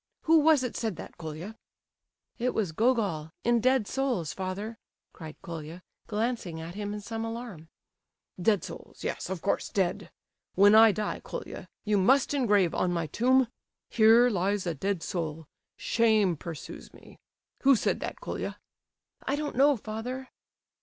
Who was it said that, Colia?" "It was Gogol, in Dead Souls, father," cried Colia, glancing at him in some alarm. "'Dead Souls,' yes, of course, dead. When I die, Colia, you must engrave on my tomb: "'Here lies a Dead Soul, Shame pursues me.' "Who said that, Colia?" "I don't know, father."